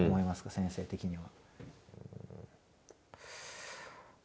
先生的には。